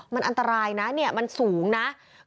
มันอันตรายนะมันสูงนะ